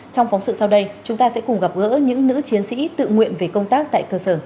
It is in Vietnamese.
trong phóng sự sau đây chúng ta sẽ cùng gặp gỡ những nữ chiến sĩ tự nguyện về công tác tại cơ sở